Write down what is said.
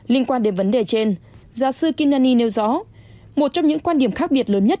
linh quan đến vấn đề trên giáo sư kinnan nêu rõ một trong những quan điểm khác biệt lớn nhất